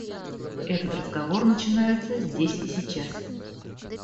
Этот разговор начинается здесь и сейчас.